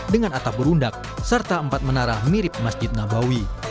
dengan atap berundak serta empat menara mirip masjid nabawi